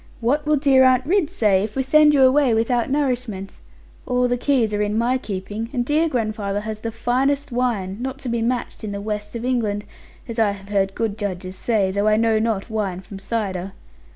What will dear Aunt Ridd say, if we send you away without nourishment? All the keys are in my keeping, and dear grandfather has the finest wine, not to be matched in the west of England, as I have heard good judges say; though I know not wine from cider.